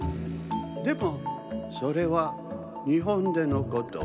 でもそれはにほんでのこと。